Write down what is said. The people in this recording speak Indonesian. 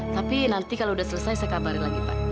tapi nanti kalau sudah selesai saya kabarin lagi pak